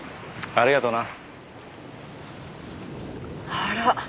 あら！